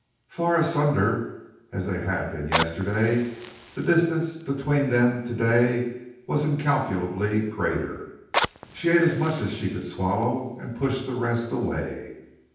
Far asunder as they had been yesterday the distance between them to day was incalculably greater. She ate as much as she could swallow and pushed the rest away.